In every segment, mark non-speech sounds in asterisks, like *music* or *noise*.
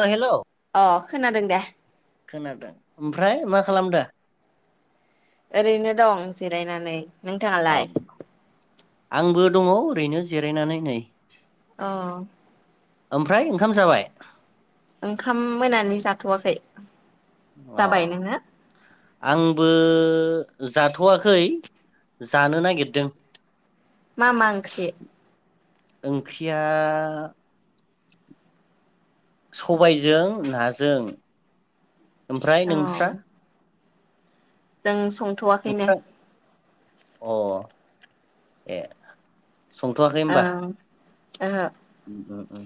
अ hello अ खोनादों दे । खोनादों ओमफ्राय मा खालामदो? ओरैनो दं जिरायनानै । अ नोंथाङालाय? आंबो दङ ओरैनो जिरायनानै नै अ ओमफ्राय ओंखाम जाबाय? ओंखाम मोनानि जाथ'वाखै । अ आंबो बो जाथ'वाखै जानो नागिरदों । मा मा ओंख्रि? ओंख्रिया सबायजों नाजों । ओमफ्राय अ नोंस्रा? जों संथ'वाखैनो । अ ए संथ'वाखै होमबा? ओं ओहो। उम अ अ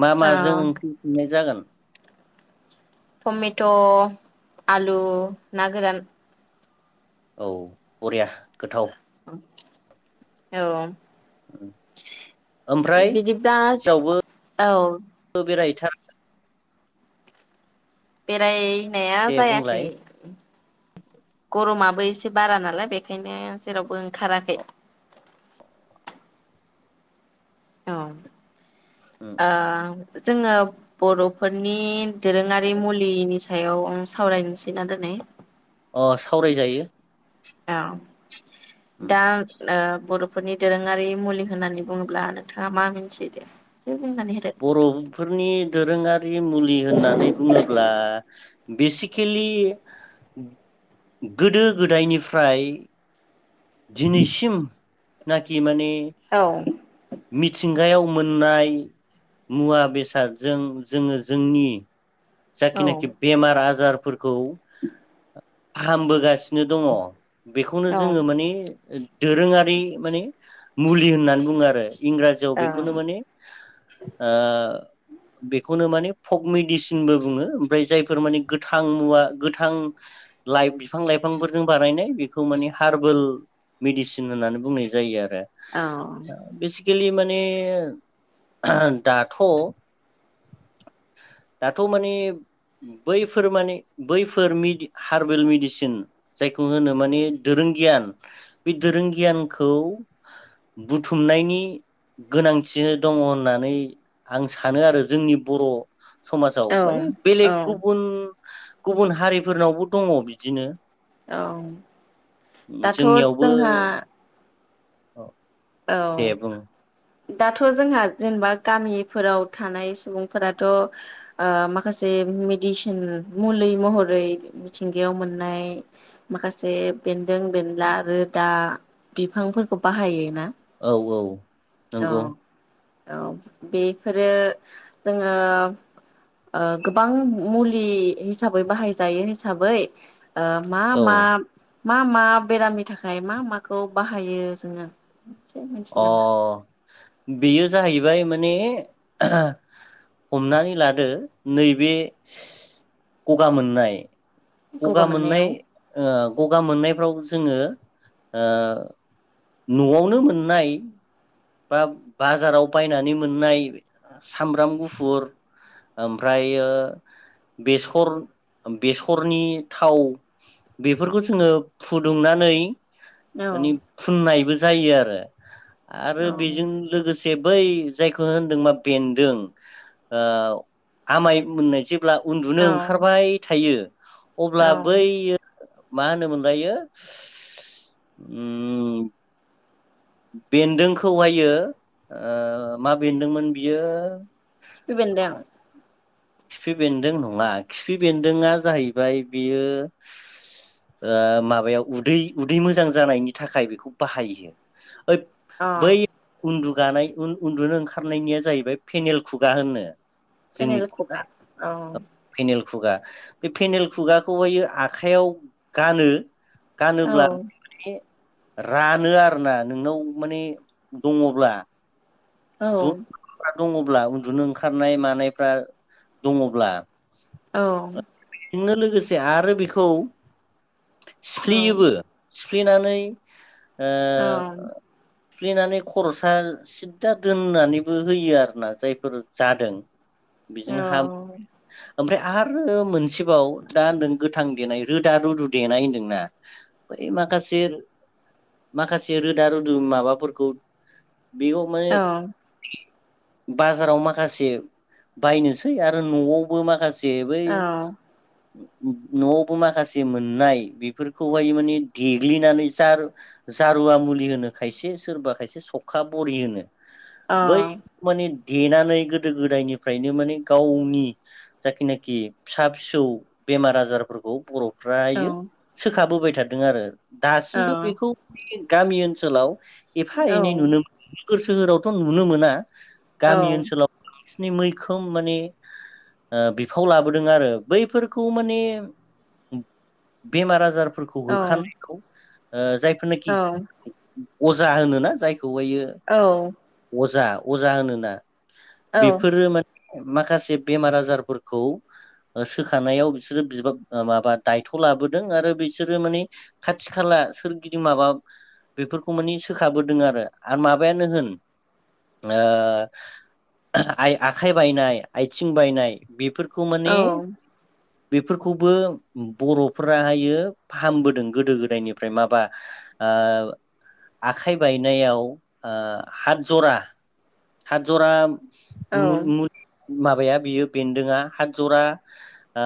मा अ माजों ओंख्रि फिननाय जागोन । *inaudible* टमेट' आलु ना गोरान । औ बरिया गोथाव । औ । ओमफ्राय बिदिब्ला औ जावबो बेराय थाराखै । बेराय नाया दे जायाखै बुंलाय । गरमाबो एसे बारा नालाय बेखायनो जेरावबो ओंखाराखै । औ उम । अ । जोङो बर'फोरनि दोरोङारि मुलिनि सायावनो सावरायनोसै ना दोनै । अ सावराय जायो । औ । दा आ बर'फोरनि दोरोङारि मुलि होननानै बुङोब्ला नोंथाङा मा मिथिदों? बर'फोरनि दोरोङा रि मुलि होननानै बुङोब्ला बेसिकेलि गोदो गोदायनिफ्राय दिनैसिम नाखि माने मिथिंगायाव मोननाय मुवा बेसादजों जोङो जोंनि औ जाखिनाखि बेमार आजार खौ फाहामबोगासिनो दङ । बेखौनो औ जोङो माने दोरोङारि माने मुलि होननानै बुङो आरो । इंराजियाव बेखौनो माने आ बेखौनो माने फक मेडिसिनबो बुङो ओमफ्राय जायफोर माने गोथां मुवा गोथां लाइ बिफां लाइफांफोरजों बानायनाय बेखौ माने हार्बेल मेडिसिन होननानै बुंनाय जायो आरो औ । बे लि माने दाथ' दाथ' माने बैफोर माने बैफोर हार्बेल मेडिसिन जायखौ होनो माने दोरों गियान बे दोरों गियानखौ बुथुमनायनि गोनांथिनो दङ होननानै आं सानो आरो । जोंनि बर' समाजाव औ माने औ बेलेग गुबुन गुबुन हारिफोरनावबो दङ बिदिनो। औ दाथ' जोंहा औ। औ। दाथ' जोंहा जेनेबा गामिफोराव थानाय सुबुंफोराथ' ओ माखासे मेडिसिन मुलि महरै मिथिंगायाव मोननाय माखासे बेन्दों बेनला रोदा बिफांफोरखौ बाहायोना। औ औ औ नंगौ। औ बेफोरो जोङो ओ गोबां मुलि हिसाबै बाहायजायो हिसाबै ओ मा औ मा मा मा बेरामनि थाखाय मा माखौ बाहायो जोङो एसे मिथियो अ नामा? बेयो जाहैबाय माने हमनानै लादो नैबे गगा मोननाय गगा मोननाय ओ गगा मोननायफ्रावबो जोङो ओ न'आवनो मोननाय बा बाजाराव बायनानै मोननाय सामब्राम गुफुर ओमफ्रायो बेसर बेसरनि थाव बेफोरखौ जोङो फुदुंनानै औ मानि फुननायबो जायो आरो। आरो औ बेजों लोगोसे से बै जायखौ होनदों मा बेन्दों ओ आमाय मोननाय जे ब्ला औ उन्दुनो ओंखारबाय थायो। अब्ला औ बैयो मा होनो मोनलायो उम बेन्दोंखौ हायो ओ मा बेन्दोंमोन बियो खिफि बेन्दों खिफि बेन्दों नङा खिफि बेन्दोंआ जाहैबाय बेयो ओ माबायाव उदै उदै मोजां जानायनि थाखाय बेखौ बाहायो। बै अ उन्दु गानाय उन उन्दुनो ओंखारनायनिया जाहैबाय फेनेल खुगा होनो। फेनेल जोंनि खुगा औ। फेनेल खुगा बे फेनेल खुगाखौहायो आखाइयाव गानो। औ गानोब्ला माने रानो आरो ना नोंनाव माने दङब्ला औ। ज' दङब्ला उन्दुनो ओंखारनाय मानायफ्रा दङब्ला औ। जोंनो लोगोसे आरो बेखौ औ सिफ्लियोबो सिफ्लेनानै ओ। औ सिफ्लेनानै खरसा सिद दा दोननानैबो होयो आरो ना जायफोर जादों। बिजोंनो हामो ओमफ्राय आरो मोनसेबाव दा होनदों गोथां देनाय रोदा रुदु देनाय होन्दोंना बै माखासे माखासे रोदा रुदु माबाफोरखौ बेयाव माने औ *inaudible* बाजाराव माखासे बायनोसै आरो न'आवबो माखा से बै न'वावबो माखासे मोननाय बेफोरखौहाय माने देग्लिनानै जार-जारुवा मुलि होनो खायसे सोरबा खायसे सखा बरि होनो। बै मानिन देनानै गोदो गोदायनिफ्रायनो माने गावनि जाखिनाखि फिसा फिसौ बेमार आजारफोरखौ बर'फ फ्रायो सोखाबोबाय थादों आरो। दासिमबो बेखौ गामि ओनसोलाव एफा एनै नुनो मोनो। गोर सोहोरावथ' नुनो मोना। औ गामि औ ओनसोलाव मैखोम माने ओ बिफाव लाबोदों आरो बैफोरखौ माने बेमार आजार फोरखौ औ होखानायखौ ओ जायफोरनोखि अजा होनो ना जायखौहायो औ। अजा अजा होनोना। बेफोरो माने माखासे बेमार आजारफोरखौ सोखानायाव बिसोरो बिबा माबा दायथ' लाबोदों आरो बिसोरो माने खाथि खाला सोरगिदिं माबा बेफोरखौ माने सोखाबोदों आरो माब बायानो होन ओ आइ आखाय बायनाय आइथिं बायनाय बेफोर खौ माने बेफोरखौबो बर'फोराहायो फाहामबोदों गोदो गोदायनिफ्रायनो माबा आखाइ बायनायाव आ हाथ जरा हाथ जरा *inaudible* माबाया बियो बेन्दोङा हाथ जरा आ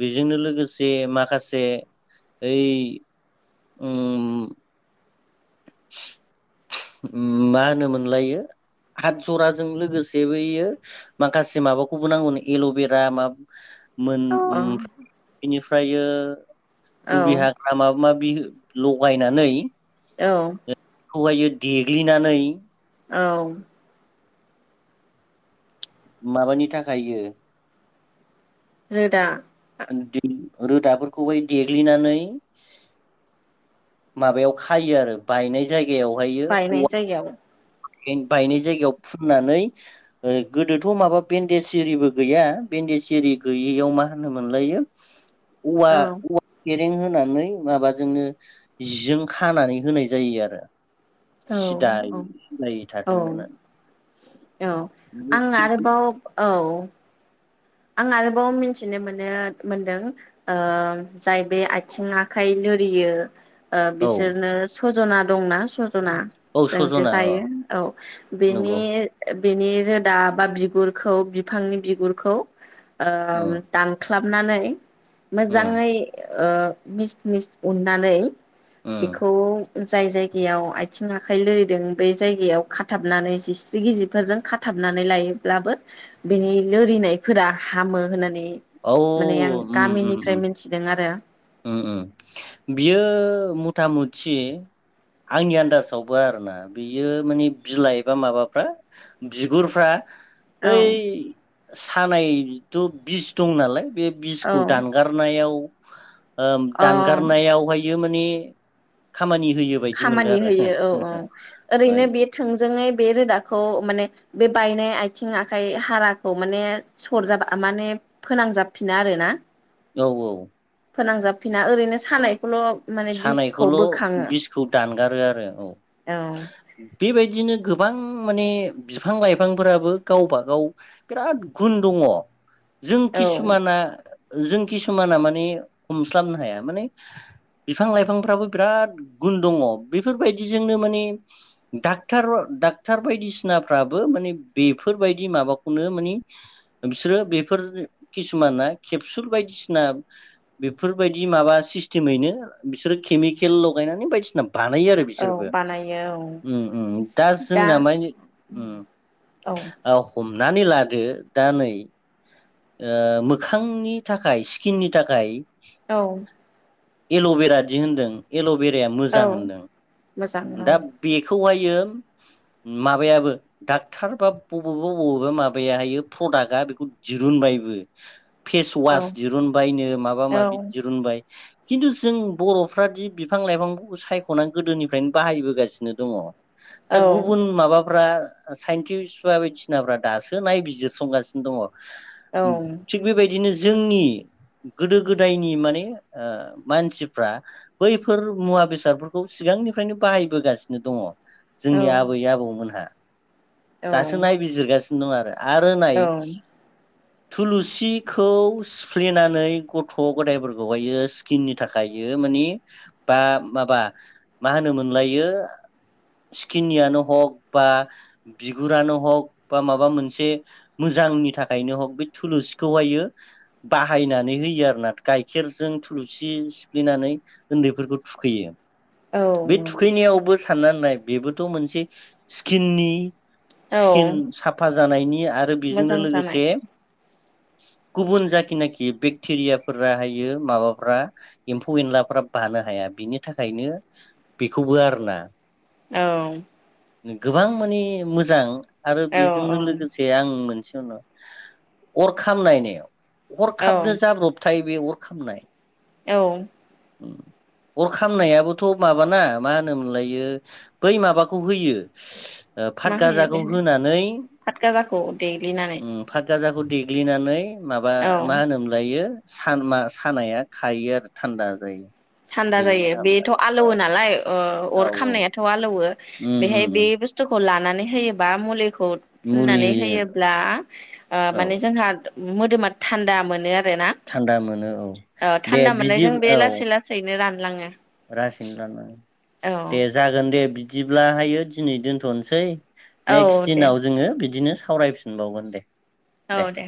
बेजोंनो लोगोसे माखासे ओइ *inaudible* मा होनोमोनलायो हाथ जराजों लोगोसे बैयो माखासे माबाखौबो नांगौनो एल'बेरा मा मोन *unintelligible* फ्रायो दुब्रि हाग्रा माबा माब बि लगायनानै औ। खौहायो देग्लिनानै औ। माबानि थाखायो रोदा *inaudible* रोदाफोरखौ हाय देग्लिनानै माबायाव खायो आरो बायनाय जाय गेयाव हायो बायनाय औवा जायगायाव फें बायनाय जायगायाव फुननानै गोदोथ' माबा बेन्डेज एरिबो गैया बेन्डेज एरि गैयैयाव मा होनो मोनलायो औवा औवा फें होनानै माबाजोंनो जिजों खानानै होनाय जायो आरो औ सिदायै औ सिदायै औ थाथों होननानै औ आं थिग आरोबाव औ आं आरोबाव मिथिनो मोनो मोनदों ओ जाय बे आथिं आखाइ लोरियो ओ औ बिसोरनो स सजना दंना सज जना औ जोंजे सजना अ जायो औ बेनि नंगौ बेनि रोदा बा बिगुरखौ बिफांनि बिगुरखौ उम ओम दानख ख्लाबनानै उम मोजाङै ओ मिस मिस उननानै उम बिखौ जाय जायगायाव आथिं आखाइ लोरिदों बे जायगायाव खाथाबनानै जिस्रि गिजिरफोरजों खाथाबनानै लायोब्लाबो बेनि लोरिनाय फोरा हामो होननानै औ माने आं उम उम गामिनिफ्राय उम मिथिदों आरो उम उम बियो मथा मथ थि आंनि आन्दासावबो आरोना बियो माने बिलाइ बा माबाफ्रा बिगुरफ्रा औ बै सानाय बिथ'' बिस दं नालाय बे औ बिसखौ दानगारनायाव ओम अ दानगारनायावहायो नि खामानि होयो बायदि मोनदों खामानि आरो होयो औ औ ओरैनो बे थोंजोङै बे रोदाखौ माने बे बायनाय आइथिं आखाइ हाराखौ माने सरजाब आ माने फोनांजाबफिना आरोना। औ औ। फोनांजाबफिना ओरैनो सानाय खौल' माने बिसखौ सानायखौल' बोखाङो। बिसखौ दानगारो आरो औ। बेबायदिनो गोबां गोबां माने बिफां लाइफांफोराबो गावबागाव बिराद गुन दङ'। जों औ खिसुमाना जों खिसुमाना माने हमस्लाबनो हाया माने बिफां लाइफांफ्राबो बिराद गुन दङ' बेफोरबायदिजोंनो माने डाक्टर डाक्टार बायदिसिनाफ्राबो माने बेफोरबायदि माबाखौनो माने बिसोरो बेफोर खिसुमाना केबसुल बायदिसिना बेफोरबायदि माबा सिस्टेमैनो बिसोरो केमिकेल लगायनानै बायदिसिना बानायो आरो औ बिसोरबो बानायो औ उम उम दा जोंना मानि उम औ हम नानै लादो दा नै ओ मोखांनि थाखाय स्किननि थाखाय औ एल'भेरा दि होनदों एल' बेराया औ मोजां होनदों। मोजां औ दा बेखौहा यो माबायाबो डाक्टार बा बबेबा बबेबा माबायाहायो प्रडाक्टआ बेखौ दिरुनबायबो। फेस औ ववास दिरुनबायनो माबा औ माबि दिरुनबाय खिन्थु जों बर'फ्रादि बिफां लाइफांखौ सायख'नानै गोदोनिफ्रायनो बाहायबोगासिनो दङ। औ दा गुबुन माबा ब्रा साइन्टिस्ट बा बायदिसिनाफ्रा दासो नायबिजिरसंगासिनो दङ। थिग बेबायदिनो जोंनि गोदो गोदायनि माने ओ मानसिफ्रा बैफोर मुवा बेसादफोरखौ सिगांनिफ्रायनो बाहायबोगासिनो दङ। जोंनि आबै आबौमोनहा। दासो नायबिजिरगासि नो दं आरोे। आरो नाय औ थुलुसिखौ सिफ्लेनानै गथ' गथायफोरखौहायो स्किननि थाखायो मानि बा माबा मा होनोमोनलायो सिकिननियानो हग बा बिगुरानो हग बा माबा मोनसे मोजांनि था खायनो हग बे थुलुसिखौहायो बाहायनानै होयो आरोना गाइखेरजों थुलुसि सिफ्लेनानै उन्दैफोरखौ थुखैयो। औ बे थुखैनायावबो सानना नाय बेबोथ' मोनसे स्किननि स्किन औ साफा जानायनि आरो बेजोंनो मोजां जानाय लोगोसे *unintelligible* गुबुन जाखिनाखि बेक्टेरिया फोराहायो माबाफ्रा एम्फौ एनलाफ्रा बानो हाया बिनि थाखायनो बेखौबो आरोना औ गोबां माने मोजां आरो औ बेजोंनो औ लोगोसे आं मोनसे *unintelligible* अर खामनाय नियाव औ हरखाबनो जाब्रबथाय बे अर खामनाय औ ओ अर खामनायाबोथ' माबाना मा होनोमोनलायो बै माबाखौ होयो फाथ मा होयो गाजाखौ बेहाय होनानै फादगाजाखौ देग्लिनानै फादगाजाखौ देग्लिनानै माबा औ मा होनोमोनलायो सान मा सानाया खायो आरो थान्दा जायो। थान्दा बेजोंनो जायो हामो बेथ' आरो औ आलौवो नालाय औ अर खामनायाथ' आलौवो उम बेहाय उम बे उम बुस्थुखौ लानानै होयोबा मुलि मुलि खौफुननानै होयो होयोब्ला ओ माने औ जोंहा मोदोमा थान्दा मोनो आरोना थान्दा मोनो औ दे बिदि औ नो रानलाङो रासैनो रानलाङो औ दे जागोन दे बि दिब्लाहायो दिनै दोनथ'नोसै। औ नेक्स्ट दे दिनाव जोङो बिदिनो सावरायफिनबावगोन दे। औ दे